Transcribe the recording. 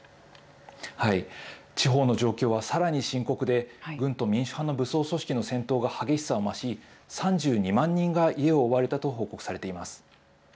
地方の状況はさらに深刻で、軍と民主派の武装組織の戦闘が激しさを増し、３２万人が家を追われたと報告されています。